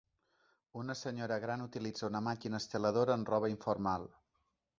Una senyora gran utilitza una màquina escaladora en roba informal.